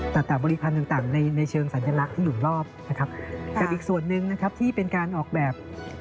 ต่างบริพันธ์ต่างในเชิงสัญลักษณ์ที่หลุมรอบนะครับ